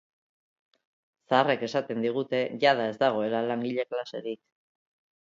Zaharrek esaten digute jada ez dagoela langile klaserik.